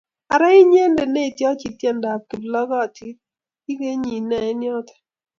Ara inyendet netiachi tiondap kiplokotit, ikenyi ne eng yoto